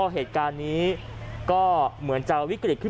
เหตุการณ์นี้เหมือนจะวิกฤต